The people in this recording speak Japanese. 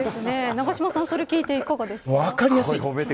永島さんそれ聞いていかがですか。